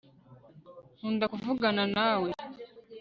nkunda kuvugana nawe